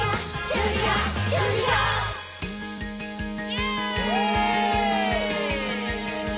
イエイ！